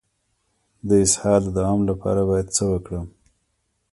د اسهال د دوام لپاره باید څه وکړم؟